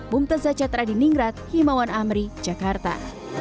bumten sachat radiningrat himawan amri jakarta